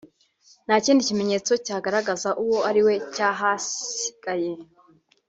nta kindi kimenyetso cyagaragaza uwo ariwe cyahasigaye